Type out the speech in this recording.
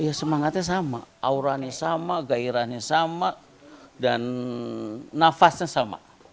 ya semangatnya sama auranya sama gairahnya sama dan nafasnya sama